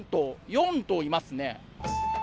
４頭いますね。